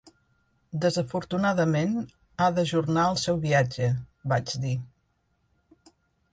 "Desafortunadament, ha d'ajornar el seu viatge," vaig dir.